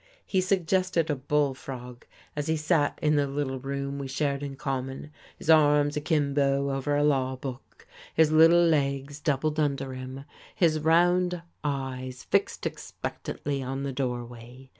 He suggested a bullfrog as he sat in the little room we shared in common, his arms akimbo over a law book, his little legs doubled under him, his round, eyes fixed expectantly on the doorway.